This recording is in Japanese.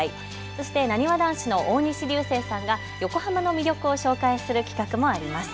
そして、なにわ男子の大西流星さんが横浜の魅力を紹介する企画もあります。